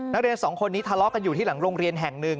นักเรียนสองคนนี้ทะเลาะกันอยู่ที่หลังโรงเรียนแห่งหนึ่ง